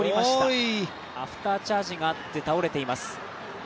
アフターチャージがあって、倒れています。